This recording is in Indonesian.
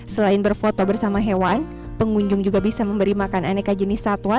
selain berfoto bersama hewan pengunjung juga bisa memberi makan aneka jenis satwa